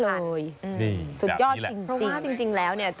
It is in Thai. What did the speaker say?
เพราะว่าจริงแล้วเนี่ย